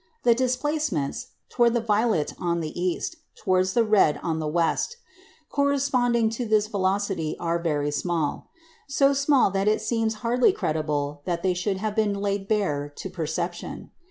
The displacements towards the violet on the east, towards the red on the west corresponding to this velocity are very small; so small that it seems hardly credible that they should have been laid bare to perception.